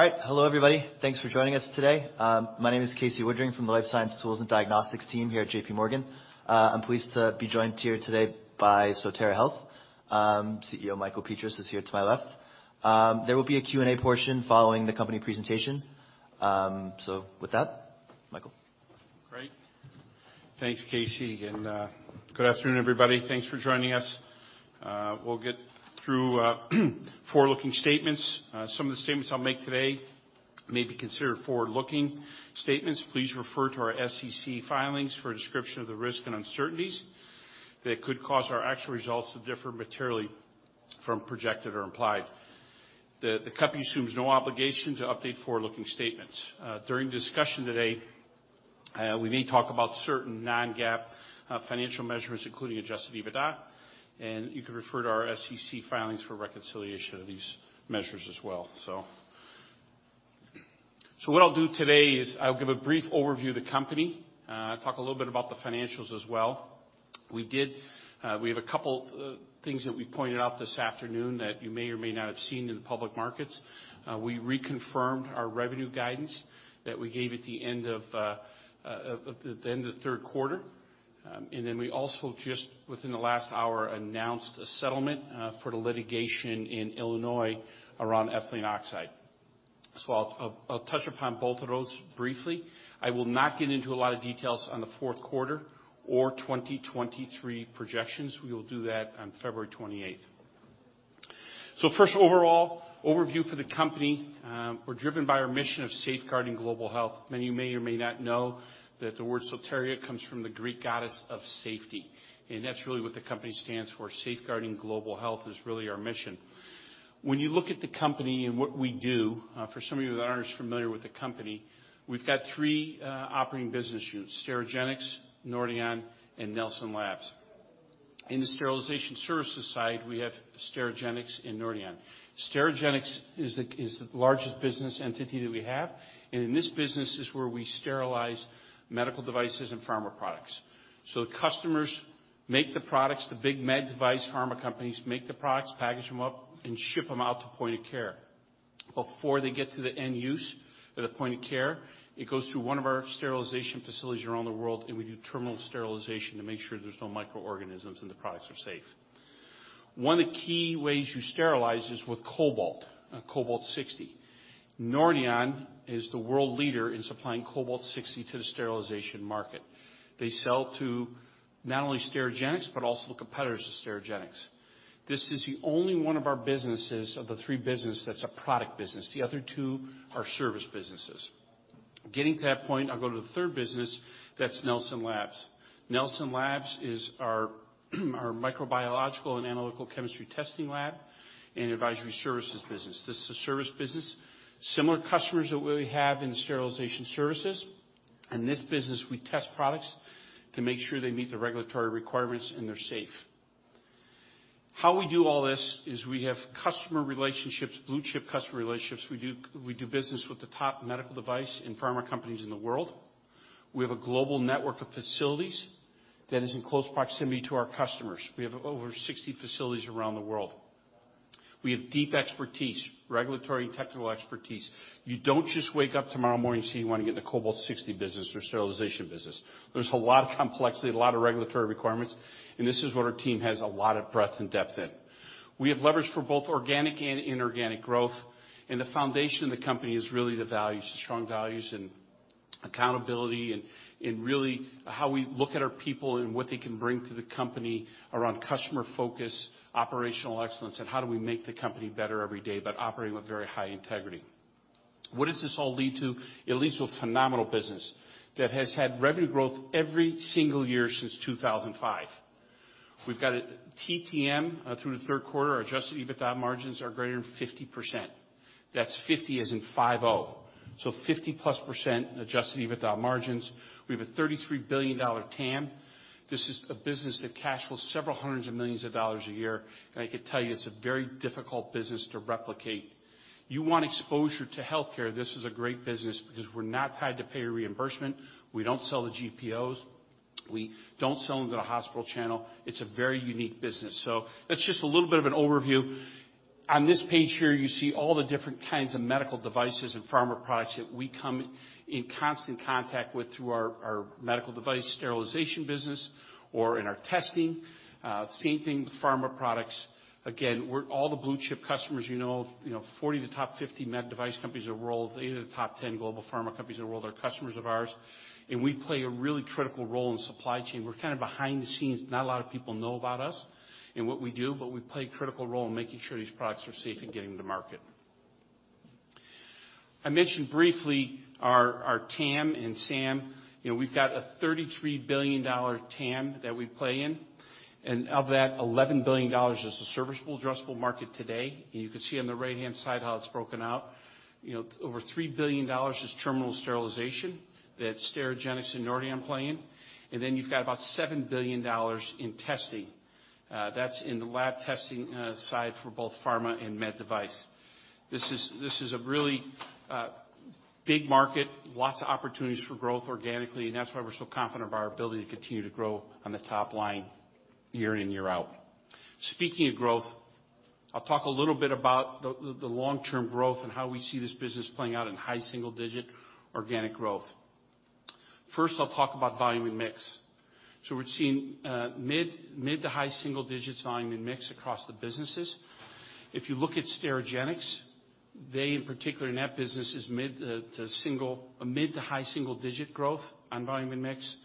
All right. Hello, everybody. Thanks for joining us today. My name is Casey Woodring from the Life Sciences Tools and Diagnostics team here at JPMorgan. I'm pleased to be joined here today by Sotera Health. CEO Michael Petras is here to my left. There will be a Q&A portion following the company presentation. With that, Michael. Great. Thanks, Casey. Good afternoon, everybody. Thanks for joining us. We'll get through forward-looking statements. Some of the statements I'll make today may be considered forward-looking statements. Please refer to our SEC filings for a description of the risks and uncertainties that could cause our actual results to differ materially from projected or implied. The company assumes no obligation to update forward-looking statements. During the discussion today, we may talk about certain non-GAAP financial measures, including adjusted EBITDA. You can refer to our SEC filings for reconciliation of these measures as well. What I'll do today is I'll give a brief overview of the company, talk a little bit about the financials as well. We have a couple things that we pointed out this afternoon that you may or may not have seen in the public markets. We reconfirmed our revenue guidance that we gave at the end of third quarter. We also just within the last hour, announced a settlement for the litigation in Illinois around ethylene oxide. I'll touch upon both of those briefly. I will not get into a lot of details on the fourth quarter or 2023 projections. We will do that on February 28th. First overall overview for the company. We're driven by our mission of safeguarding global health. Many of you may or may not know that the word Sotera comes from the Greek goddess of safety, and that's really what the company stands for. Safeguarding global health is really our mission. When you look at the company and what we do, for some of you that aren't as familiar with the company, we've got three operating business units, Sterigenics, Nordion and Nelson Labs. In the sterilization services side, we have Sterigenics and Nordion. Sterigenics is the largest business entity that we have, and in this business is where we sterilize medical devices and pharma products. The customers make the products, the big med device pharma companies make the products, package them up, and ship them out to point of care. Before they get to the end use or the point of care, it goes through one of our sterilization facilities around the world, and we do terminal sterilization to make sure there's no microorganisms and the products are safe. One of the key ways you sterilize is with Cobalt-60. Nordion is the world leader in supplying Cobalt-60 to the sterilization market. They sell to not only Sterigenics but also the competitors of Sterigenics. This is the only one of our businesses of the three business that's a product business. The other two are service businesses. Getting to that point, I'll go to the third business, that's Nelson Labs. Nelson Labs is our microbiological and analytical chemistry testing lab and advisory services business. This is a service business. Similar customers that we have in the sterilization services. In this business, we test products to make sure they meet the regulatory requirements and they're safe. How we do all this is we have customer relationships, blue-chip customer relationships. We do business with the top medical device and pharma companies in the world. We have a global network of facilities that is in close proximity to our customers. We have over 60 facilities around the world. We have deep expertise, regulatory and technical expertise. You don't just wake up tomorrow morning saying you wanna get in the Cobalt-60 business or sterilization business. There's a lot of complexity, a lot of regulatory requirements, and this is what our team has a lot of breadth and depth in. We have leverage for both organic and inorganic growth, and the foundation of the company is really the values, strong values and accountability and really how we look at our people and what they can bring to the company around customer focus, operational excellence, and how do we make the company better every day, but operating with very high integrity. What does this all lead to? It leads to a phenomenal business that has had revenue growth every single year since 2005. We've got a TTM through the third quarter. Our adjusted EBITDA margins are greater than 50%. That's 50 as in five-O. 50%-plus adjusted EBITDA margins. We have a $33 billion TAM. This is a business that cash flows several hundreds of millions of dollars a year, and I can tell you it's a very difficult business to replicate. You want exposure to healthcare, this is a great business because we're not tied to payer reimbursement. We don't sell to GPOs. We don't sell into the hospital channel. It's a very unique business. That's just a little bit of an overview. On this page here, you see all the different kinds of medical devices and pharma products that we come in constant contact with through our medical device sterilization business or in our testing. Same thing with pharma products. We're all the blue-chip customers you know. You know, 40 of the top 50 med device companies in the world, eight of the top 10 global pharma companies in the world are customers of ours. We play a really critical role in supply chain. We're kind of behind the scenes. Not a lot of people know about us and what we do. We play a critical role in making sure these products are safe and getting to market. I mentioned briefly our TAM and SAM. You know, we've got a $33 billion TAM that we play in. Of that, $11 billion is a serviceable addressable market today. You can see on the right-hand side how it's broken out. You know, over $3 billion is terminal sterilization that Sterigenics and Nordion play in. You've got about $7 billion in testing. That's in the lab testing side for both pharma and med device. This is a really big market, lots of opportunities for growth organically. That's why we're so confident of our ability to continue to grow on the top line year in, year out. Speaking of growth, I'll talk a little bit about the long-term growth and how we see this business playing out in high single-digit organic growth. First, I'll talk about volume and mix. We're seeing mid-to-high single digits volume and mix across the businesses. If you look at Sterigenics, they in particular in that business is mid-to-high single digit growth on volume and mix.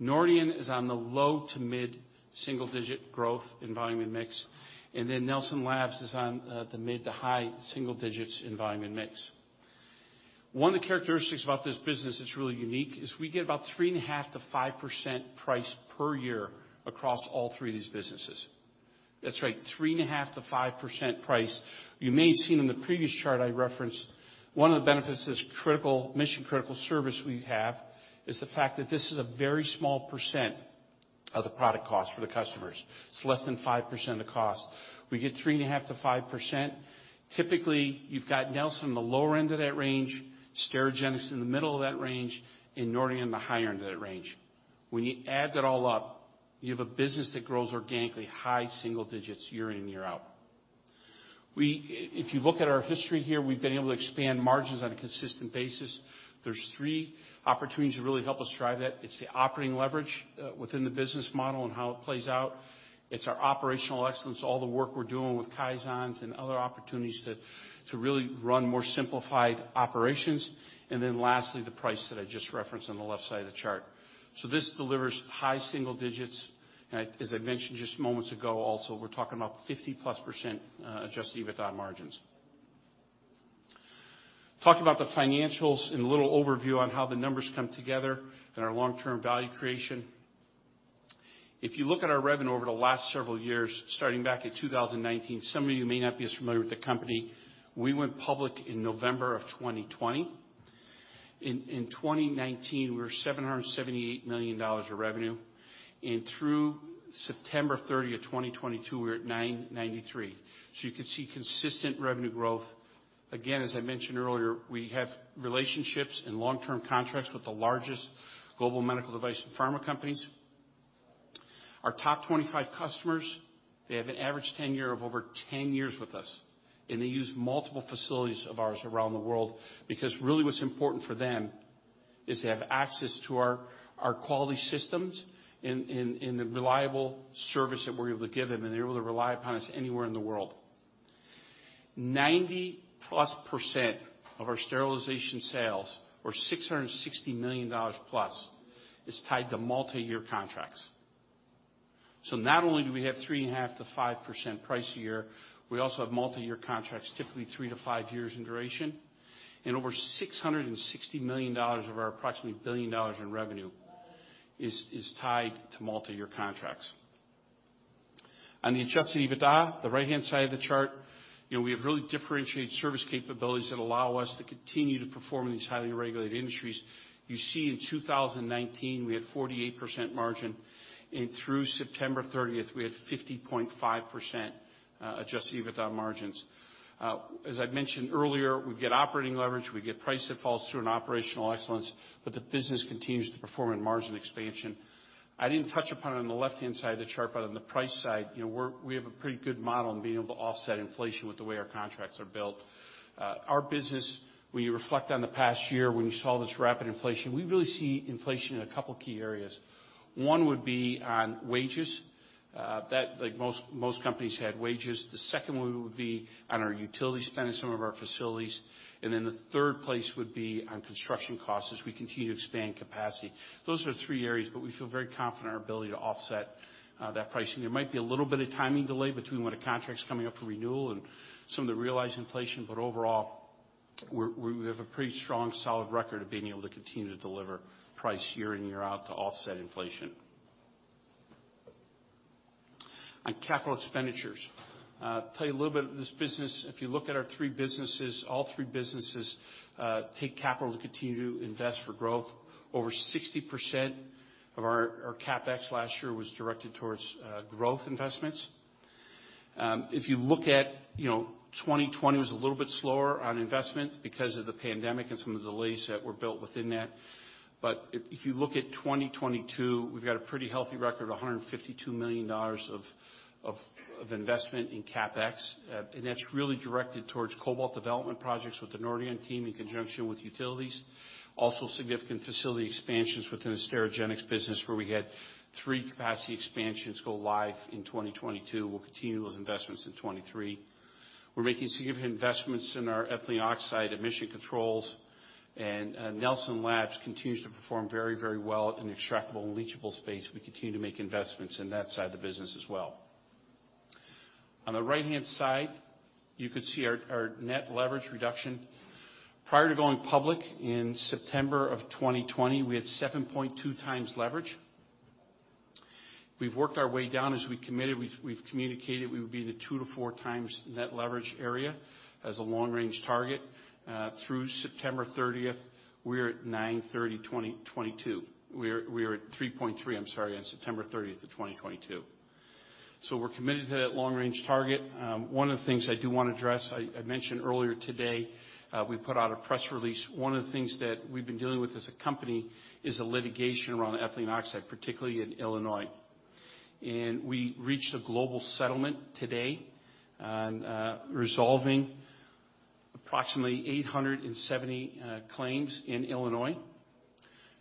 Nordion is on the low-to-mid single digit growth in volume and mix. Nelson Labs is on the mid-to-high single digits in volume and mix. One of the characteristics about this business that's really unique is we get about 3.5%-5% price per year across all three of these businesses. That's right, 3.5%-5% price. You may have seen in the previous chart I referenced, one of the benefits of this critical, mission-critical service we have is the fact that this is a very small percent of the product cost for the customers. It's less than 5% of the cost. We get 3.5%-5%. Typically, you've got Nelson on the lower end of that range, Sterigenics in the middle of that range, and Nordion on the higher end of that range. When you add that all up, you have a business that grows organically high single digits year in, year out. If you look at our history here, we've been able to expand margins on a consistent basis. There's three opportunities that really help us drive that. It's the operating leverage within the business model and how it plays out. It's our operational excellence, all the work we're doing with Kaizen and other opportunities to really run more simplified operations. Lastly, the price that I just referenced on the left side of the chart. This delivers high single digits. As I mentioned just moments ago also, we're talking about 50%+ adjusted EBITDA margins. Talk about the financials and a little overview on how the numbers come together in our long-term value creation. If you look at our revenue over the last several years, starting back in 2019, some of you may not be as familiar with the company. We went public in November of 2020. In 2019, we were $778 million of revenue. Through September 30th 2022, we were at $993 million. You can see consistent revenue growth. Again, as I mentioned earlier, we have relationships and long-term contracts with the largest global medical device and pharma companies. Our top 25 customers, they have an average tenure of over 10 years with us, and they use multiple facilities of ours around the world because really what's important for them is to have access to our quality systems and the reliable service that we're able to give them, and they're able to rely upon us anywhere in the world. 90%+ of our sterilization sales, or $660 million+, is tied to multiyear contracts. Not only do we have 3.5%-5% price a year, we also have multiyear contracts, typically three to five years in duration. Over $660 million of our approximately $1 billion in revenue is tied to multiyear contracts. On the adjusted EBITDA, the right-hand side of the chart, you know, we have really differentiated service capabilities that allow us to continue to perform in these highly regulated industries. You see in 2019, we had 48% margin, and through September 30th, we had 50.5% adjusted EBITDA margins. As I mentioned earlier, we get operating leverage, we get price that falls through in operational excellence, but the business continues to perform in margin expansion. I didn't touch upon it on the left-hand side of the chart, but on the price side, you know, we have a pretty good model in being able to offset inflation with the way our contracts are built. Our business, when you reflect on the past year, when you saw this rapid inflation, we really see inflation in a couple key areas. One would be on wages, that like most companies had wages. The second one would be on our utility spend in some of our facilities. Then the third place would be on construction costs as we continue to expand capacity. Those are the three areas, but we feel very confident in our ability to offset that pricing. There might be a little bit of timing delay between when a contract's coming up for renewal and some of the realized inflation. Overall, we have a pretty strong, solid record of being able to continue to deliver price year in, year out to offset inflation. On capital expenditures, tell you a little bit of this business. If you look at our three businesses, all three businesses take capital to continue to invest for growth. Over 60% of our CapEx last year was directed towards growth investments. If you look at, you know, 2020 was a little bit slower on investment because of the pandemic and some of the delays that were built within that. If you look at 2022, we've got a pretty healthy record of $152 million of investment in CapEx, and that's really directed towards cobalt development projects with the Nordion team in conjunction with utilities. Significant facility expansions within the Sterigenics business, where we had three capacity expansions go live in 2022. We'll continue those investments in 2023. We're making significant investments in our ethylene oxide emission controls, and Nelson Labs continues to perform very, very well in the extractables and leachables space. We continue to make investments in that side of the business as well. On the right-hand side, you can see our net leverage reduction. Prior to going public in September of 2020, we had 7.2 times leverage. We've worked our way down as we committed. We've communicated we would be in the two to four times net leverage area as a long-range target. Through September 30th, we are at 9/30/2022. We are at 3.3, I'm sorry, on September 30th of 2022. We're committed to that long-range target. One of the things I do wanna address, I mentioned earlier today, we put out a press release. One of the things that we've been dealing with as a company is a litigation around ethylene oxide, particularly in Illinois. We reached a global settlement today on resolving approximately 870 claims in Illinois.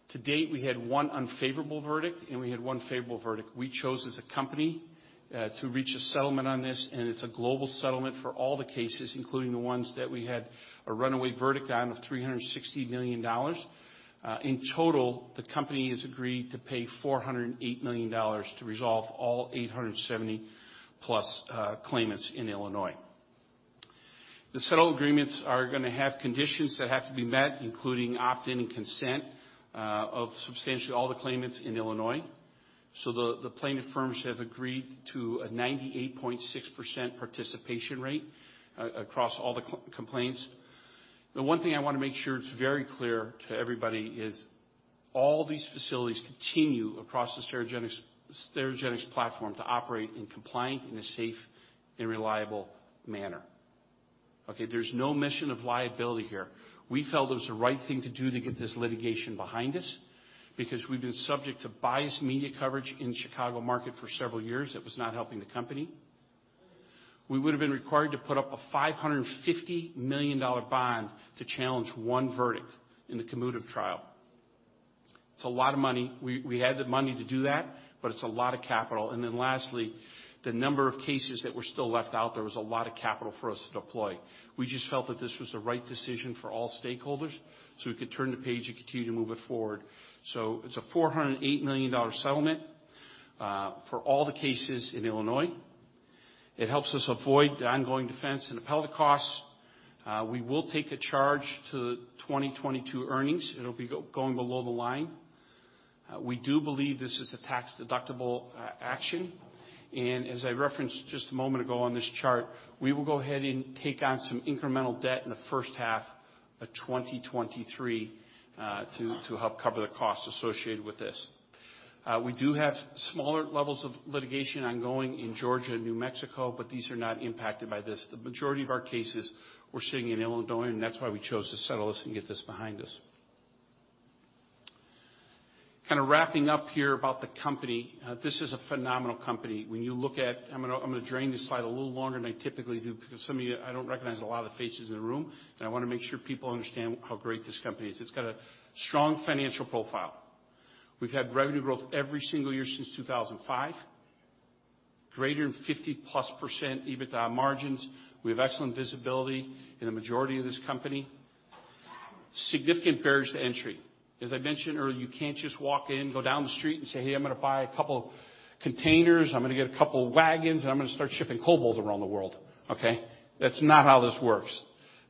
To date, we had one unfavorable verdict, and we had one favorable verdict. We chose as a company to reach a settlement on this, and it's a global settlement for all the cases, including the ones that we had a runaway verdict on of $360 million. In total, the company has agreed to pay $408 million to resolve all 870+ claimants in Illinois. The settlement agreements are gonna have conditions that have to be met, including opt-in and consent of substantially all the claimants in Illinois. The plaintiff firms have agreed to a 98.6% participation rate across all the co-complaints. The one thing I wanna make sure is very clear to everybody is all these facilities continue across the Sterigenics platform to operate and compliant in a safe and reliable manner. Okay. There's no mission of liability here. We felt it was the right thing to do to get this litigation behind us because we've been subject to biased media coverage in Chicago market for several years that was not helping the company. We would've been required to put up a $550 million bond to challenge one verdict in the Kamuda trial. It's a lot of money. We had the money to do that, but it's a lot of capital. Lastly, the number of cases that were still left out there was a lot of capital for us to deploy. We just felt that this was the right decision for all stakeholders, so we could turn the page and continue to move it forward. It's a $408 million settlement for all the cases in Illinois. It helps us avoid the ongoing defense and appellate costs. We will take a charge to 2022 earnings. It'll be going below the line. We do believe this is a tax-deductible action. As I referenced just a moment ago on this chart, we will go ahead and take on some incremental debt in the first half of 2023 to help cover the costs associated with this. We do have smaller levels of litigation ongoing in Georgia and New Mexico. These are not impacted by this. The majority of our cases we're seeing in Illinois, and that's why we chose to settle this and get this behind us. Kinda wrapping up here about the company, this is a phenomenal company. When you look at... I'm gonna drain this slide a little longer than I typically do because some of you, I don't recognize a lot of the faces in the room, and I wanna make sure people understand how great this company is. It's got a strong financial profile. We've had revenue growth every single year since 2005, greater than 50%+ EBITDA margins. We have excellent visibility in the majority of this company. Significant barriers to entry. As I mentioned earlier, you can't just walk in, go down the street and say, "Hey, I'm gonna buy a couple containers. I'm gonna get a couple wagons, and I'm gonna start shipping cobalt around the world." Okay? That's not how this works.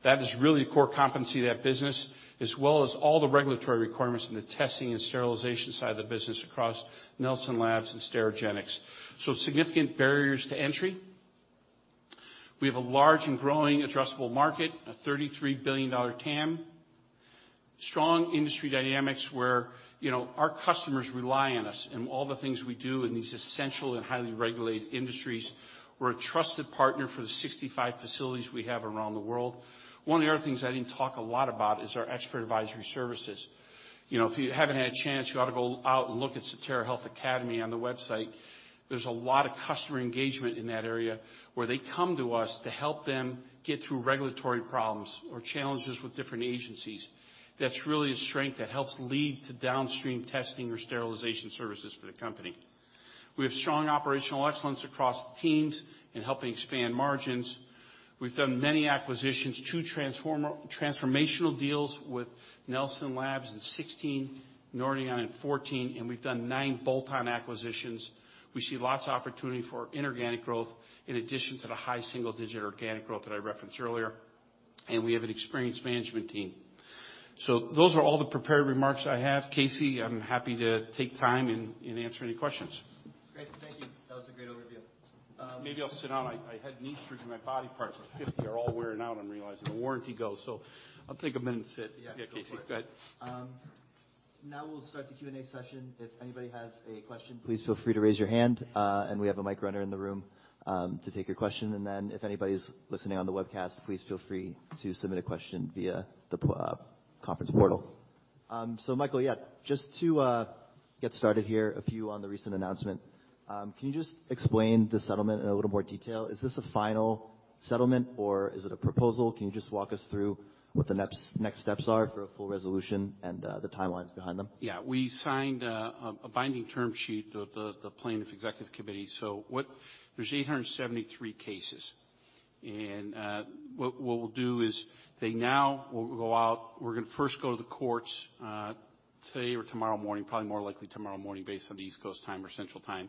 That is really core competency of that business, as well as all the regulatory requirements and the testing and sterilization side of the business across Nelson Labs and Sterigenics. Significant barriers to entry. We have a large and growing addressable market, a $33 billion TAM. Strong industry dynamics where, you know, our customers rely on us and all the things we do in these essential and highly regulated industries. We're a trusted partner for the 65 facilities we have around the world. One of the other things I didn't talk a lot about is our expert advisory services. You know, if you haven't had a chance, you ought to go out and look at Sotera Health Academy on the website. There's a lot of customer engagement in that area, where they come to us to help them get through regulatory problems or challenges with different agencies. That's really a strength that helps lead to downstream testing or sterilization services for the company. We have strong operational excellence across the teams in helping expand margins. We've done many acquisitions, two transformational deals with Nelson Labs in 16, Nordion in 14, and we've done nine bolt-on acquisitions. We see lots of opportunity for inorganic growth in addition to the high single-digit organic growth that I referenced earlier. We have an experienced management team. Those are all the prepared remarks I have. Casey, I'm happy to take time and answer any questions. Great. Thank you. That was a great overview. Maybe I'll sit down. I had knee surgery. My body parts at 50 are all wearing out I'm realizing. The warranty goes. I'll take a minute and sit. Yeah. Go for it. Yeah, Casey. Go ahead. Now we'll start the Q&A session. If anybody has a question, please feel free to raise your hand, and we have a mic runner in the room, to take your question. If anybody's listening on the webcast, please feel free to submit a question via the conference portal. Michael, yeah, just to get started here, a few on the recent announcement. Can you just explain the settlement in a little more detail? Is this a final settlement, or is it a proposal? Can you just walk us through what the next steps are for a full resolution and the timelines behind them? Yeah. We signed a binding term sheet with the plaintiff executive committee. There's 873 cases. What we'll do is they now will go out. We're gonna first go to the courts today or tomorrow morning, probably more likely tomorrow morning based on the East Coast time or Central Time.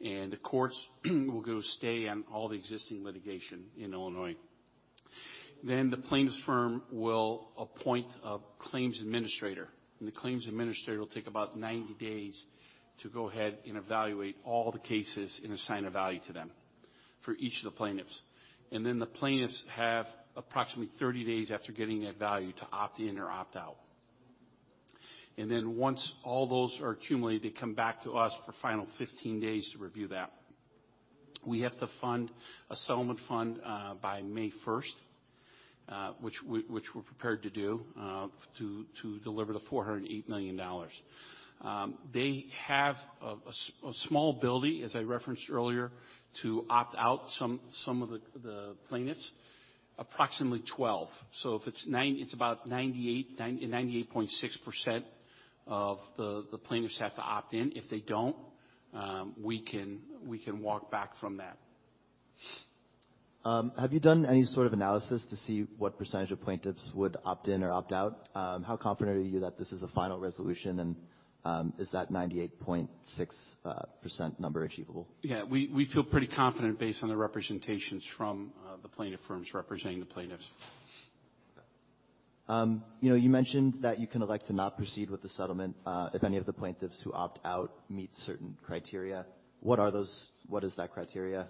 The courts will go stay on all the existing litigation in Illinois. The plaintiff's firm will appoint a claims administrator, and the claims administrator will take about 90 days to go ahead and evaluate all the cases and assign a value to them for each of the plaintiffs. The plaintiffs have approximately 30 days after getting that value to opt in or opt out. Once all those are accumulated, they come back to us for final 15 days to review that. We have to fund a settlement fund by May first, which we're prepared to do, to deliver $408 million. They have a small ability, as I referenced earlier, to opt out some of the plaintiffs, approximately 12. It's about 98.6% of the plaintiffs have to opt in. If they don't, we can walk back from that. Have you done any sort of analysis to see what percentage of plaintiffs would opt in or opt out? How confident are you that this is a final resolution, and is that 98.6% number achievable? Yeah. We feel pretty confident based on the representations from the plaintiff firms representing the plaintiffs. You know, you mentioned that you can elect to not proceed with the settlement if any of the plaintiffs who opt out meet certain criteria. What is that criteria?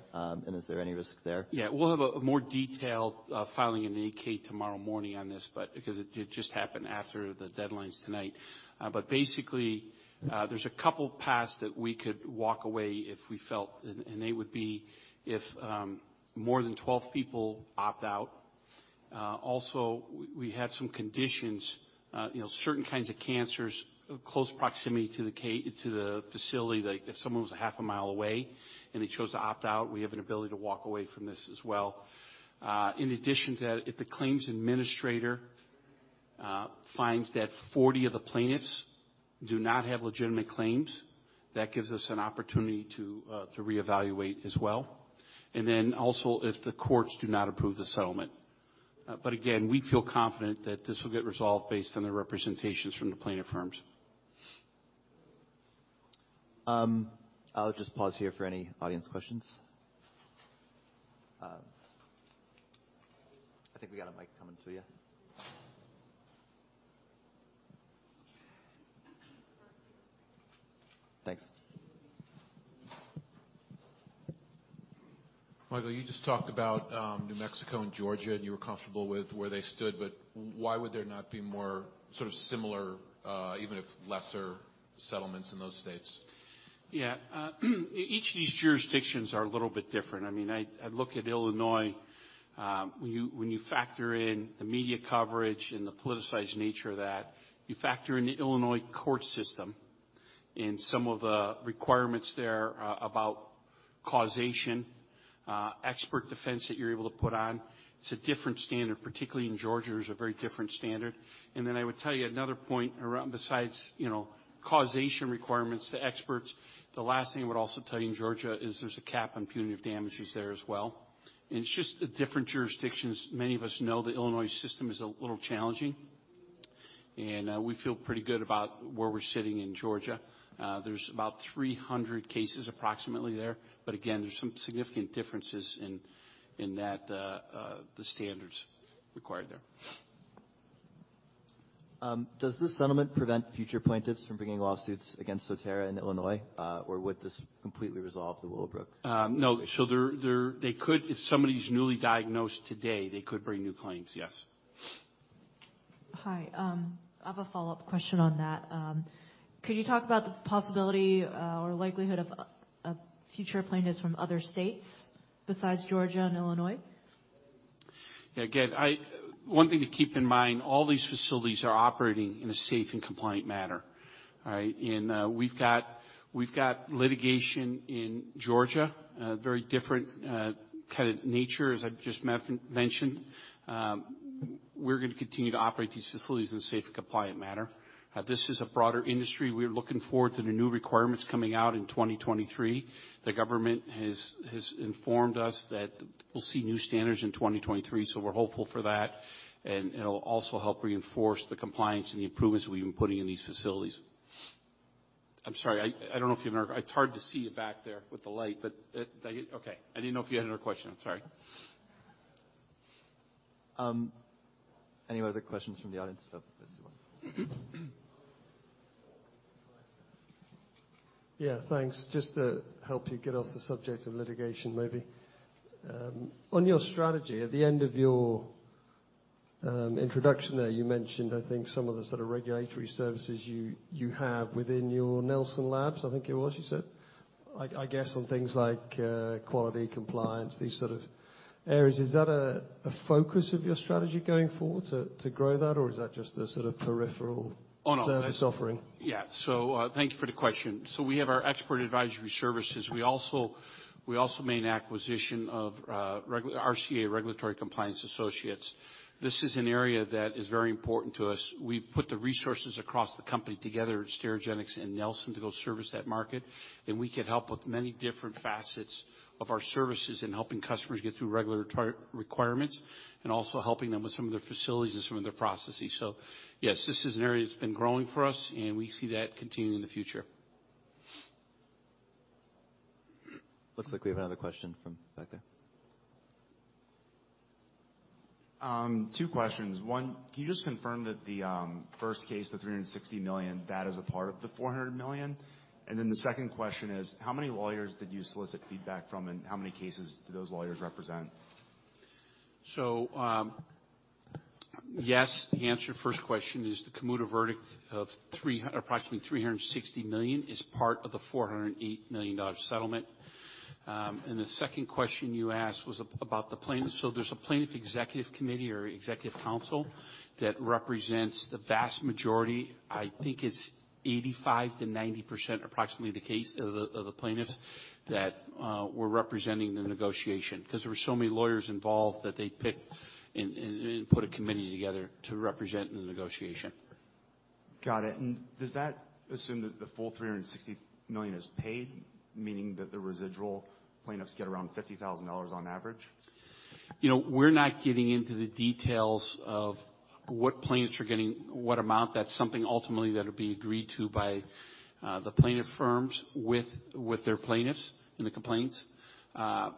Is there any risk there? Yeah. We'll have a more detailed filing in the 8-K tomorrow morning on this, but because it just happened after the deadlines tonight. Basically, there's a couple paths that we could walk away if we felt, and they would be if 12 people opt out. Also, we had some conditions, you know, certain kinds of cancers of close proximity to the facility that if someone was a half a mile away, and they chose to opt out, we have an ability to walk away from this as well. In addition to that, if the claims administrator finds that 40 of the plaintiffs do not have legitimate claims, that gives us an opportunity to reevaluate as well. Also, if the courts do not approve the settlement. Again, we feel confident that this will get resolved based on the representations from the plaintiff firms. I'll just pause here for any audience questions. I think we got a mic coming to you. Thanks. Michael, you just talked about New Mexico and Georgia, and you were comfortable with where they stood, but why would there not be more sort of similar, even if lesser settlements in those states? Yeah. Each of these jurisdictions are a little bit different. I mean, I look at Illinois, when you factor in the media coverage and the politicized nature of that, you factor in the Illinois court system and some of the requirements there, about causation, expert defense that you're able to put on, it's a different standard. Particularly in Georgia, there's a very different standard. I would tell you another point around besides, you know, causation requirements to experts. The last thing I would also tell you in Georgia is there's a cap on punitive damages there as well. It's just the different jurisdictions. Many of us know the Illinois system is a little challenging, and we feel pretty good about where we're sitting in Georgia.There's about 300 cases approximately there, but again, there's some significant differences in that, the standards required there. Does this settlement prevent future plaintiffs from bringing lawsuits against Sotera in Illinois, or would this completely resolve the Willowbrook? No. If somebody's newly diagnosed today, they could bring new claims, yes. Hi. I have a follow-up question on that. Could you talk about the possibility or likelihood of future plaintiffs from other states besides Georgia and Illinois? Yeah. Again, One thing to keep in mind, all these facilities are operating in a safe and compliant manner. All right? We've got litigation in Georgia, a very different kind of nature, as I've just mentioned. We're gonna continue to operate these facilities in a safe and compliant manner. This is a broader industry. We're looking forward to the new requirements coming out in 2023. The government has informed us that we'll see new standards in 2023, so we're hopeful for that. It'll also help reinforce the compliance and the improvements we've been putting in these facilities. I'm sorry. I don't know if you have another... It's hard to see you back there with the light, but did I... Okay. I didn't know if you had another question. I'm sorry. Any other questions from the audience about this one? Yeah. Thanks. Just to help you get off the subject of litigation maybe. On your strategy, at the end of your introduction there, you mentioned, I think, some of the sort of regulatory services you have within your Nelson Labs, I think it was you said, I guess, on things like quality, compliance, these sort of areas. Is that a focus of your strategy going forward to grow that, or is that just a sort of peripheral- Oh, no. service offering? Thank you for the question. We have our expert advisory services. We also made an acquisition of RCA, Regulatory Compliance Associates. This is an area that is very important to us. We've put the resources across the company together at Sterigenics and Nelson to go service that market, and we can help with many different facets of our services in helping customers get through regulatory requirements and also helping them with some of their facilities and some of their processes. Yes, this is an area that's been growing for us, and we see that continuing in the future. Looks like we have another question from back there. Two questions. One, can you just confirm that the first case, the $360 million, that is a part of the $400 million? The second question is, how many lawyers did you solicit feedback from, and how many cases do those lawyers represent? Yes, the answer to your first question is the Kamuda verdict of approximately $360 million is part of the $408 million settlement. The second question you asked was about the plaintiffs. There's a plaintiff executive committee or executive council that represents the vast majority, I think it's 85%-90%, approximately the case of the plaintiffs that were representing the negotiation, because there were so many lawyers involved that they picked and put a committee together to represent in the negotiation. Got it. Does that assume that the full $360 million is paid, meaning that the residual plaintiffs get around $50,000 on average? You know, we're not getting into the details of what plaintiffs are getting what amount. That's something ultimately that'll be agreed to by the plaintiff firms with their plaintiffs in the complaints. I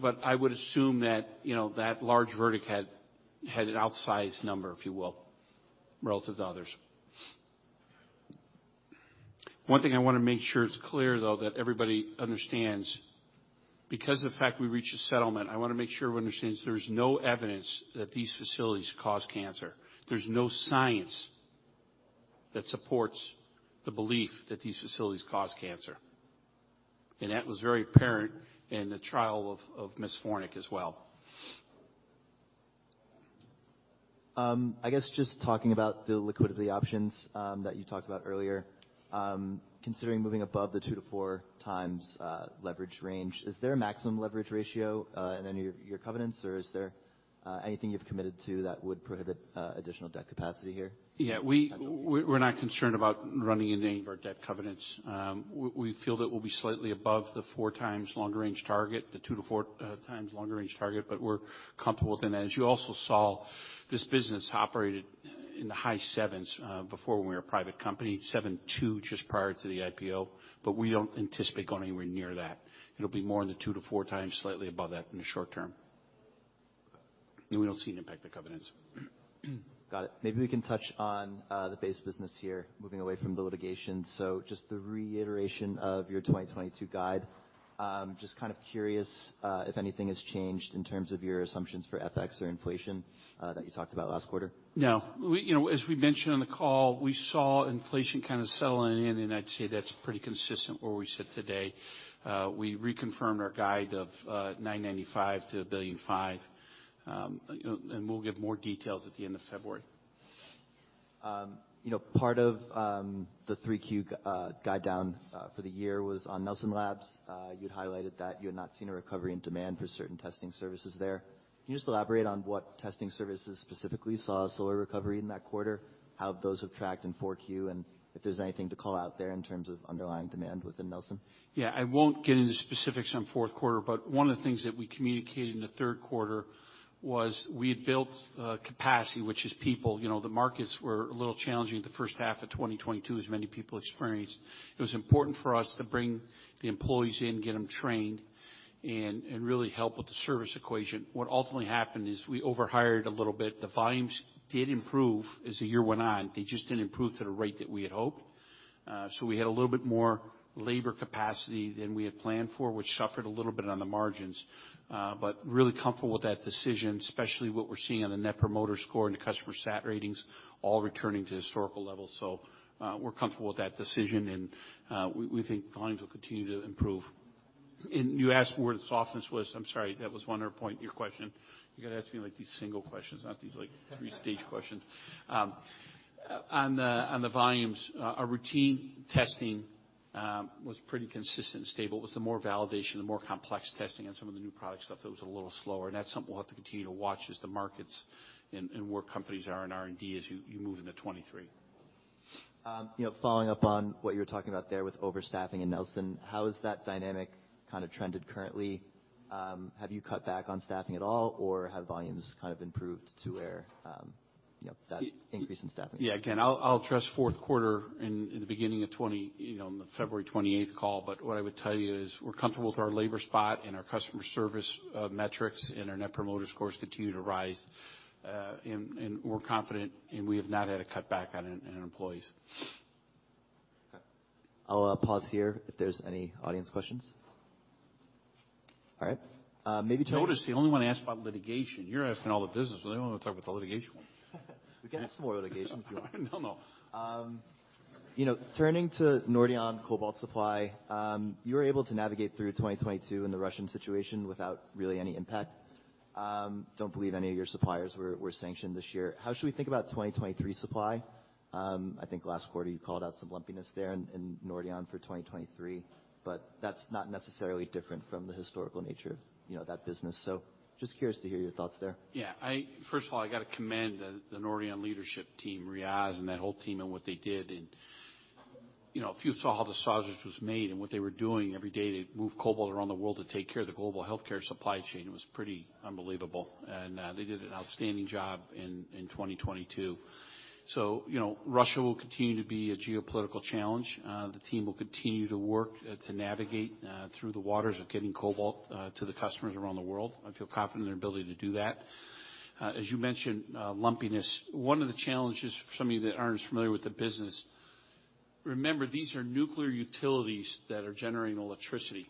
would assume that, you know, that large verdict had an outsized number, if you will, relative to others. One thing I wanna make sure is clear, though, that everybody understands, because of the fact we reached a settlement, I wanna make sure we understand there's no evidence that these facilities cause cancer. There's no science that supports the belief that these facilities cause cancer. That was very apparent in the trial of Ms. Fornek as well. I guess just talking about the liquidity options, that you talked about earlier, considering moving above the two to 4x leverage range, is there a maximum leverage ratio in any of your covenants, or is there anything you've committed to that would prohibit additional debt capacity here? Yeah. Potentially. We're not concerned about running any of our debt covenants. We feel that we'll be slightly above the four times longer range target, the two to four times longer range target, but we're comfortable within that. As you also saw, this business operated in the high sevens before when we were a private company, 7.2 just prior to the IPO, but we don't anticipate going anywhere near that. It'll be more in the two to four times, slightly above that in the short term. We don't see an impact to covenants. Got it. Maybe we can touch on the base business here, moving away from the litigation. Just the reiteration of your 2022 guide. Just kind of curious if anything has changed in terms of your assumptions for FX or inflation that you talked about last quarter. No. We, you know, as we mentioned on the call, we saw inflation kinda settle in, and I'd say that's pretty consistent where we sit today. We reconfirmed our guide of $995 million-$1.5 billion. You know, and we'll give more details at the end of February. You know, part of the 3Q guide down for the year was on Nelson Labs. You'd highlighted that you had not seen a recovery in demand for certain testing services there. Can you just elaborate on what testing services specifically saw a slower recovery in that quarter? How have those tracked in 4Q, and if there's anything to call out there in terms of underlying demand within Nelson? Yeah. I won't get into specifics on fourth quarter, but one of the things that we communicated in the third quarter was we had built capacity, which is people. You know, the markets were a little challenging the first half of 2022, as many people experienced. It was important for us to bring the employees in, get them trained and really help with the service equation. What ultimately happened is we overhired a little bit. The volumes did improve as the year went on. They just didn't improve to the rate that we had hoped. We had a little bit more labor capacity than we had planned for, which suffered a little bit on the margins. Really comfortable with that decision, especially what we're seeing on the Net Promoter Score and the customer sat ratings all returning to historical levels. We're comfortable with that decision and, we think volumes will continue to improve. You asked where the softness was. I'm sorry, that was one other point in your question. You gotta ask me, like, these single questions, not these, like, three-stage questions. On the volumes, our routine testing, was pretty consistent and stable. It was the more validation, the more complex testing on some of the new product stuff that was a little slower. That's something we'll have to continue to watch as the markets and where companies are in R&D as you move into 23. You know, following up on what you were talking about there with overstaffing in Nelson, how has that dynamic kinda trended currently? Have you cut back on staffing at all, or have volumes kind of improved to where, you know, that increase in staffing? Yeah. I'll address fourth quarter in the beginning of, you know, on the February 28th call, what I would tell you is we're comfortable with our labor spot and our customer service metrics and our Net Promoter Scores continue to rise. And we're confident, and we have not had a cutback on employees. Okay. I'll pause here if there's any audience questions. All right. Notice the only one asked about litigation. You're asking all the business, they only wanna talk about the litigation one. We can ask some more litigation if you want. No, no. you know, turning to Nordion cobalt supply, you were able to navigate through 2022 and the Russian situation without really any impact. Don't believe any of your suppliers were sanctioned this year. How should we think about 2023 supply? I think last quarter you called out some lumpiness there in Nordion for 2023, but that's not necessarily different from the historical nature of, you know, that business. Just curious to hear your thoughts there. Yeah. First of all, I gotta commend the Nordion leadership team, Riaz and that whole team, and what they did. You know, if you saw how the sausage was made and what they were doing every day to move cobalt around the world to take care of the global healthcare supply chain, it was pretty unbelievable. They did an outstanding job in 2022. You know, Russia will continue to be a geopolitical challenge. The team will continue to work to navigate through the waters of getting cobalt to the customers around the world. I feel confident in their ability to do that. As you mentioned, lumpiness, one of the challenges for some of you that aren't as familiar with the business. Remember, these are nuclear utilities that are generating electricity,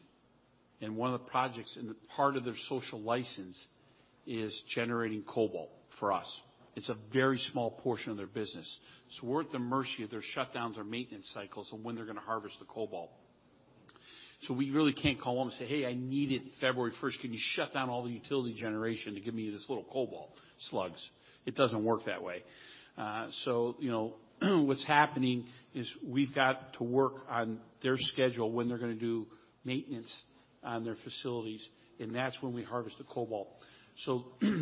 and one of the projects and part of their social license is generating cobalt for us. It's a very small portion of their business, so we're at the mercy of their shutdowns or maintenance cycles and when they're gonna harvest the cobalt. We really can't call them and say, "Hey, I need it February first. Can you shut down all the utility generation to give me these little cobalt slugs?" It doesn't work that way. You know, what's happening is we've got to work on their schedule when they're gonna do maintenance on their facilities, and that's when we harvest the cobalt.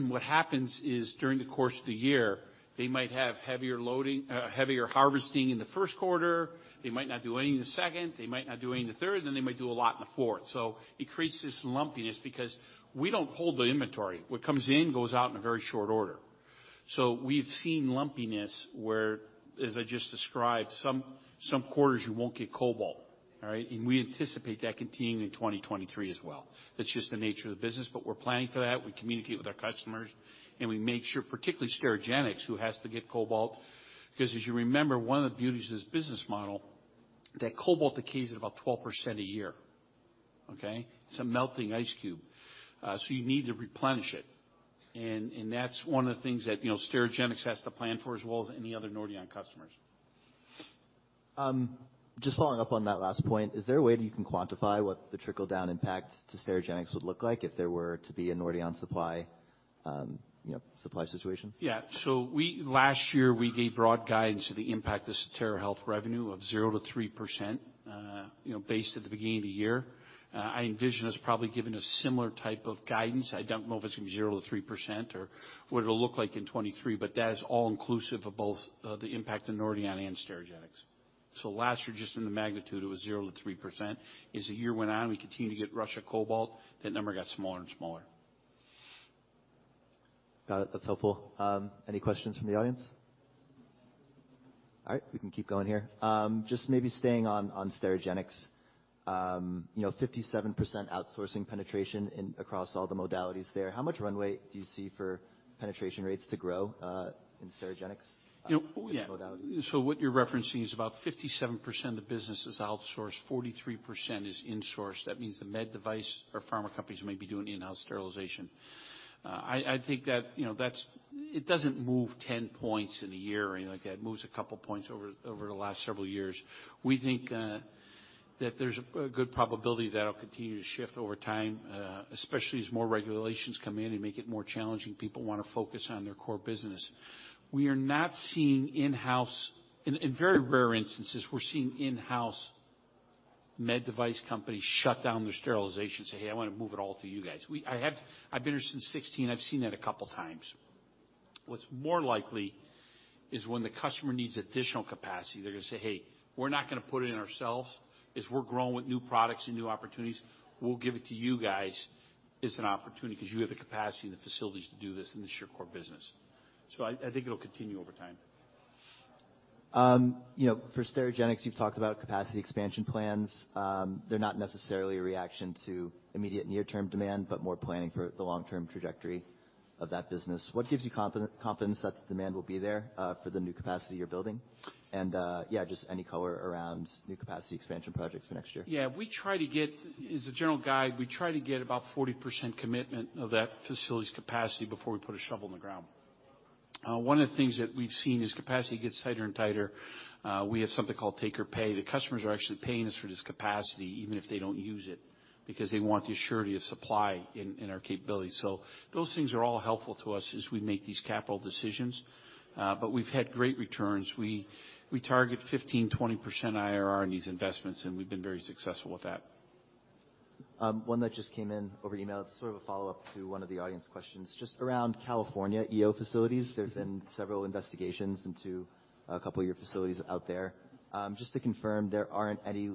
What happens is, during the course of the year, they might have heavier loading, heavier harvesting in the first quarter. They might not do any in the second, they might not do any in the third, they might do a lot in the fourth. It creates this lumpiness because we don't hold the inventory. What comes in goes out in a very short order. We've seen lumpiness where, as I just described, some quarters you won't get cobalt, all right? We anticipate that continuing in 2023 as well. That's just the nature of the business, we're planning for that. We communicate with our customers, we make sure, particularly Sterigenics, who has to get cobalt, because as you remember, one of the beauties of this business model, that cobalt decays at about 12% a year, okay? It's a melting ice cube. You need to replenish it. And that's one of the things that, you know, Sterigenics has to plan for as well as any other Nordion customers. Just following up on that last point, is there a way that you can quantify what the trickle-down impact to Sterigenics would look like if there were to be a Nordion supply, you know, supply situation? Yeah. Last year, we gave broad guidance to the impact of Sterigenics revenue of 0%-3%, you know, based at the beginning of the year. I envision us probably giving a similar type of guidance. I don't know if it's gonna be 0%-3% or what it'll look like in 2023, but that is all inclusive of both the impact of Nordion and Sterigenics. Last year, just in the magnitude, it was 0%-3%. As the year went on, we continued to get Russia cobalt, that number got smaller and smaller. Got it. That's helpful. Any questions from the audience? All right, we can keep going here. Just maybe staying on Sterigenics. You know, 57% outsourcing penetration in across all the modalities there. How much runway do you see for penetration rates to grow, in Sterigenics- You know. -modalities? What you're referencing is about 57% of the business is outsourced, 43% is insourced. That means the med device or pharma companies may be doing in-house sterilization. I think that, you know, that's. It doesn't move 10 points in a year or anything like that. It moves a couple points over the last several years. We think that there's a good probability that'll continue to shift over time, especially as more regulations come in and make it more challenging. People wanna focus on their core business. We are not seeing in-house. In very rare instances, we're seeing in-house med device companies shut down their sterilization and say, "Hey, I wanna move it all to you guys." I have. I've been here since 2016, I've seen that a couple times. What's more likely is when the customer needs additional capacity, they're gonna say, "Hey, we're not gonna put it in ourselves, is we're growing with new products and new opportunities. We'll give it to you guys as an opportunity 'cause you have the capacity and the facilities to do this, and it's your core business." I think it'll continue over time. You know, for Sterigenics, you've talked about capacity expansion plans. They're not necessarily a reaction to immediate near-term demand, but more planning for the long-term trajectory of that business. What gives you confidence that the demand will be there for the new capacity you're building? Yeah, just any color around new capacity expansion projects for next year. Yeah. As a general guide, we try to get about 40% commitment of that facility's capacity before we put a shovel in the ground. One of the things that we've seen as capacity gets tighter and tighter, we have something called take-or-pay. The customers are actually paying us for this capacity, even if they don't use it, because they want the surety of supply in our capability. Those things are all helpful to us as we make these capital decisions. We've had great returns. We target 15%-20% IRR in these investments, and we've been very successful with that. One that just came in over email. It's sort of a follow-up to one of the audience questions. Just around California EO facilities. Mm-hmm. There's been several investigations into a couple of your facilities out there. just to confirm, there aren't any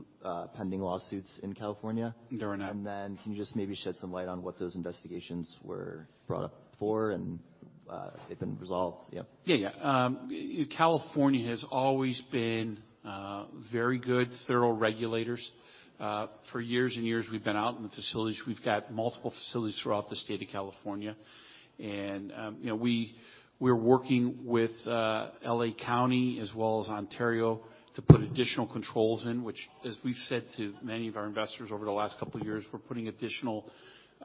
pending lawsuits in California? There are none. Can you just maybe shed some light on what those investigations were brought up for and if they've been resolved? Yeah. Yeah, yeah. California has always been very good, thorough regulators. For years and years, we've been out in the facilities. We've got multiple facilities throughout the state of California. You know, we're working with L.A. County as well as Ontario to put additional controls in which, as we've said to many of our investors over the last couple of years, we're putting additional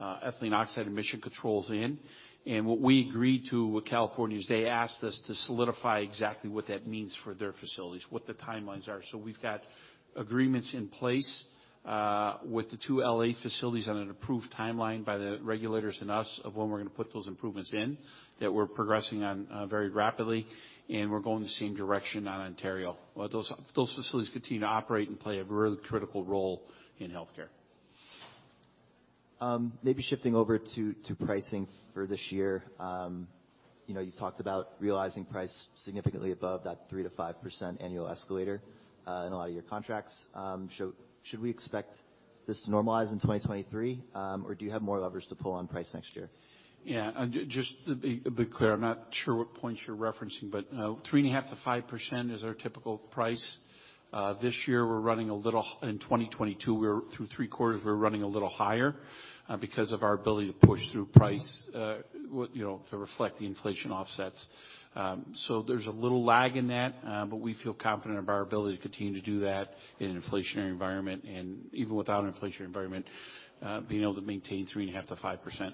ethylene oxide emission controls in. What we agreed to with California is they asked us to solidify exactly what that means for their facilities, what the timelines are. We've got agreements in place with the two L.A. facilities on an approved timeline by the regulators and us of when we're gonna put those improvements in, that we're progressing on very rapidly, and we're going the same direction on Ontario. Those facilities continue to operate and play a really critical role in healthcare. Maybe shifting over to pricing for this year. You know, you talked about realizing price significantly above that 3% to 5% annual escalator in a lot of your contracts. Should we expect this to normalize in 2023? Or do you have more levers to pull on price next year? Yeah. Just to be a bit clear, I'm not sure what points you're referencing, but 3.5%-5% is our typical price. In 2022, we're through three quarters, we're running a little higher, because of our ability to push through price, you know, to reflect the inflation offsets. There's a little lag in that, but we feel confident of our ability to continue to do that in an inflationary environment and even without an inflationary environment, being able to maintain 3.5%-5%.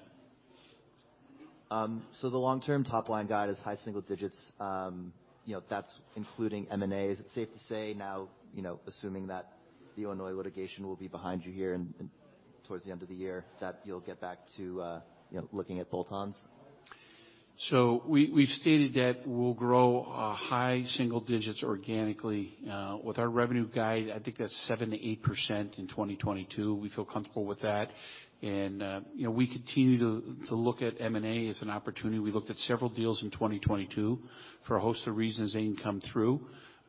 The long-term top-line guide is high single digits. You know, that's including M&A. Is it safe to say now, you know, assuming that the Illinois litigation will be behind you here and towards the end of the year, that you'll get back to, you know, looking at bolt-ons? We've stated that we'll grow high single digits organically with our revenue guide. I think that's 7%-8% in 2022. We feel comfortable with that. You know, we continue to look at M&A as an opportunity. We looked at several deals in 2022. For a host of reasons, they didn't come through,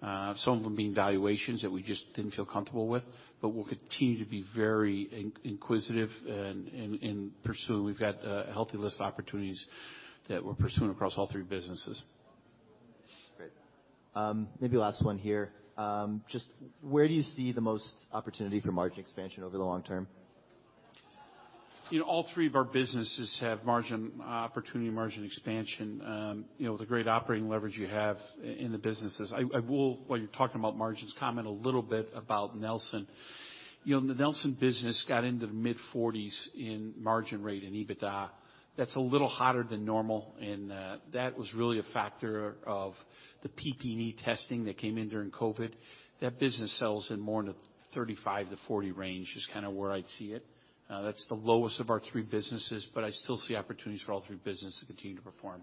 some of them being valuations that we just didn't feel comfortable with. We'll continue to be very inquisitive and pursue. We've got a healthy list of opportunities that we're pursuing across all three businesses. Great. Maybe last one here. Just where do you see the most opportunity for margin expansion over the long term? You know, all three of our businesses have margin opportunity, margin expansion, you know, with the great operating leverage you have in the businesses. I will, while you're talking about margins, comment a little bit about Nelson. You know, the Nelson business got into the mid-40s in margin rate and EBITDA. That's a little hotter than normal, that was really a factor of the PPE testing that came in during COVID. That business sells in more in the 35%-40% range, is kinda where I'd see it. That's the lowest of our three businesses, but I still see opportunities for all three business to continue to perform.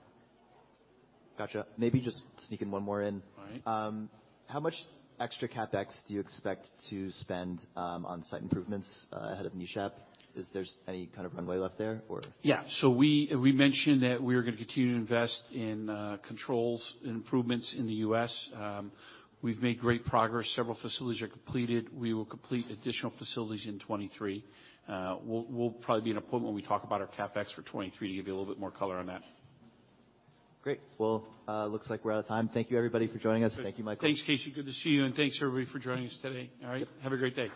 Gotcha. Maybe just sneak in one more in. All right. How much extra CapEx do you expect to spend on site improvements ahead of NESHAP? Is there any kind of runway left there or? We mentioned that we're gonna continue to invest in controls and improvements in the U.S. We've made great progress. Several facilities are completed. We will complete additional facilities in 23. We'll probably be in a point when we talk about our CapEx for 23 to give you a little bit more color on that. Great. Well, looks like we're out of time. Thank you, everybody, for joining us. Thank you, Michael. Thanks, Casey. Good to see you, and thanks everybody for joining us today. All right. Have a great day.